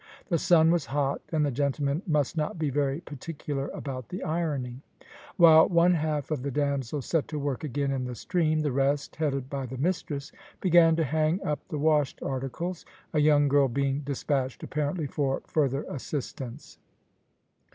The sun was hot, and the gentlemen must not be very particular about the ironing. While one half of the damsels set to work again in the stream, the rest, headed by the mistress, began to hang up the washed articles, a young girl being despatched apparently for further assistance.